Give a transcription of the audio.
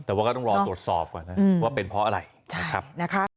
แต่ว่าก็ต้องรอตรวจสอบก่อนนะว่าเป็นเพราะอะไรนะครับ